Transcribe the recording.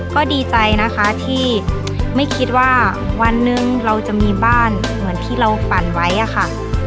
ก็ดีใจนะคะที่ไม่คิดว่าวันหนึ่งเราจะมีบ้านเหมือนที่เราปั่นไว้อะค่ะ